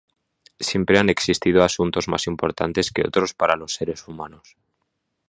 Siempre han existido asuntos más importantes que otros para los seres humanos.